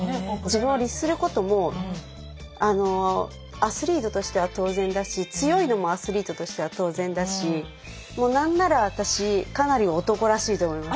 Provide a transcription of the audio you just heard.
自分を律することもアスリートとしては当然だし強いのもアスリートとしては当然だしもう何なら私かなり男らしいと思います。